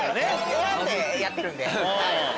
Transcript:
選んでやってるんで。